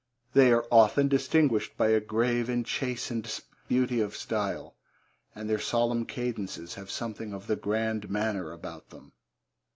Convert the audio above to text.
They are often distinguished by a grave and chastened beauty of style, and their solemn cadences have something of the 'grand manner' about them.